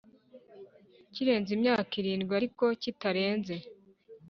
Kirenze imyaka irindwi ariko kitarenze